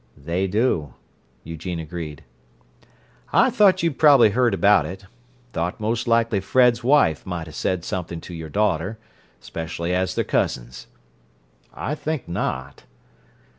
"They do," Eugene agreed. "I thought you'd probably heard about it—thought most likely Fred's wife might have said something to your daughter, especially as they're cousins." "I think not."